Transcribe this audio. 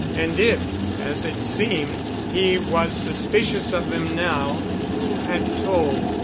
And if, as it seemed, he was suspicious of them now, who had told?